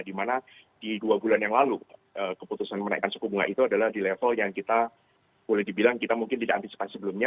dimana di dua bulan yang lalu keputusan menaikkan suku bunga itu adalah di level yang kita boleh dibilang kita mungkin tidak antisipasi sebelumnya